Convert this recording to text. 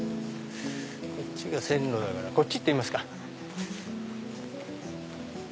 こっちが線路だからこっち行ってみますか。